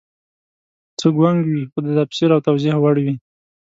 څه ګونګ وي خو د تفسیر او توضیح وړ وي